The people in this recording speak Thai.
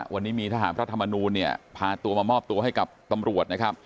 วันนี้มีทหารพระธรรมนูลเนี่ยพาตัวมามอบตัวให้กับตำรวจนะครับ